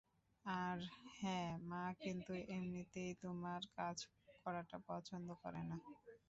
আর হ্যাঁঁ, মা কিন্তু এমনিতেই তোমার কাজ করাটা পছন্দ করে না।